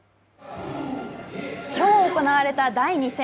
きょう行われた第２戦。